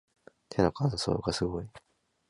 手の乾燥がすごい